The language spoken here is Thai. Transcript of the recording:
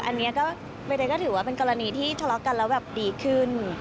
อันนี้ก็เป็นกรณีที่ทะเลาะกันแล้วดีขึ้น